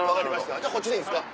じゃこっちでいいんですか？